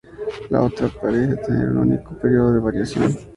La otra parece tener un único período de variación.